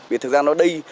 vì thực ra nói đây